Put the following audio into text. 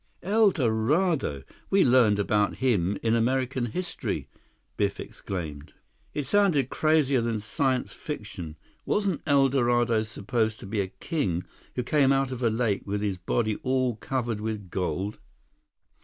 "El Dorado! We learned about him in American History!" Biff exclaimed. "It sounded crazier than science fiction. Wasn't El Dorado supposed to be a king who came out of a lake with his body all covered with gold?"